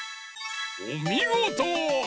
おみごと！